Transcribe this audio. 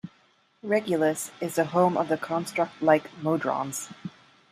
Regulus is the home of the construct-like Modrons.